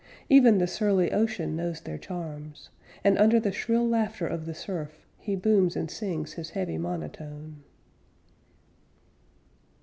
Even the surly ocean knows their charms, And under the shrill laughter of the surf, He booms and sings his heavy monotone.